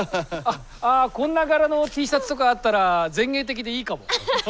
あこんな柄のＴシャツとかあったら前衛的でいいかも。